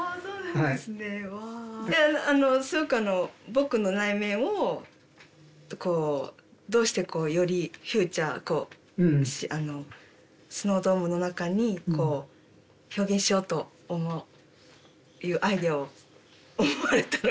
あのすごく「ぼく」の内面をこうどうしてこうよりフィーチャーあのスノードームの中にこう表現しようというアイデアを思われたのかなって。